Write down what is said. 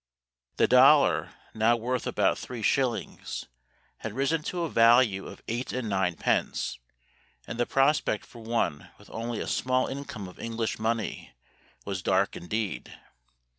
The dollar, now worth about three shillings, had risen to a value of eight and ninepence, and the prospect for one with only a small income of English money was dark indeed.